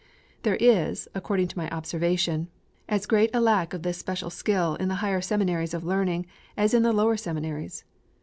There is, according to my observation, as great a lack of this special skill in the higher seminaries of learning, as in the lower seminaries.